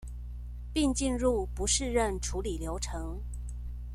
並進入不適任處理流程